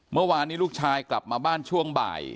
เมื่อวานนี้ลูกชายกลับมาบ้านช่วงบ่าย